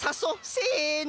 せの！